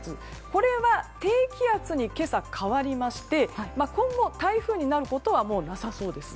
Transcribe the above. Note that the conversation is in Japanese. これは低気圧に今朝変わりまして今後、台風になることはもう、なさそうです。